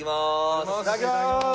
いただきます。